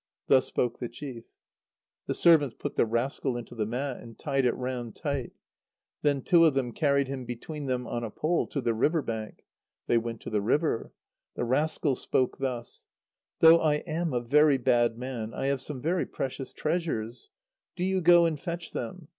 Thus spoke the chief. The servants put the rascal into the mat, and tied it round tight. Then two of them carried him between them on a pole to the river bank. They went to the river. The rascal spoke thus: "Though I am a very bad man, I have some very precious treasures. Do you go and fetch them.